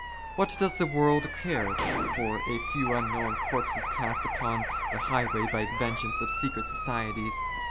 "What does the world care for a few '* unknown corpses cast upon the highAvay by the vengeance of " secret societies?